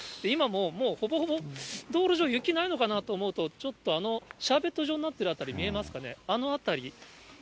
今も、もうほぼほぼ、道路上、雪ないのかなと思うと、ちょっとあのシャーベット状になっている辺り、見えますかね、あの辺り。